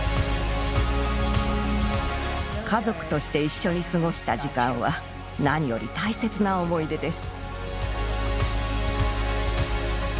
家族として一緒に過ごした時間は何より大切な思い出です。